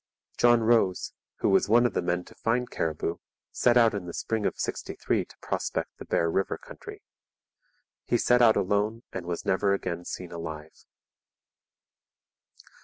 John Rose, who was one of the men to find Cariboo, set out in the spring of '63 to prospect the Bear River country. He set out alone and was never again seen alive.